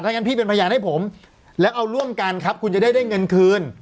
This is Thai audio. งั้นพี่เป็นพยานให้ผมแล้วเอาร่วมกันครับคุณจะได้เงินคืน